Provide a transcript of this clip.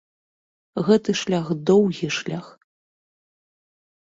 Гэта шлях, доўгі шлях.